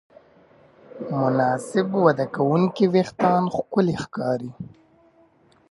مناسب وده کوونکي وېښتيان ښکلي ښکاري.